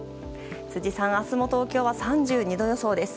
辻さん、明日も東京は３２度予想です。